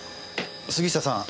杉下さん